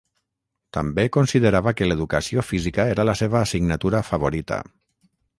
També considerava que l'Educació física era la seva assignatura favorita.